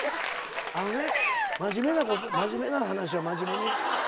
あのね真面目な話は真面目に。